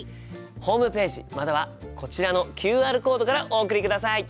ホームページまたはこちらのＱＲコードからお送りください。